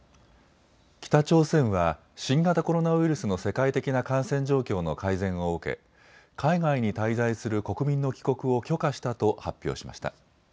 北朝鮮は新型コロナウイルスの世界的な感染状況の改善を受け海外に滞在する国民の帰国を許可したと発表しました。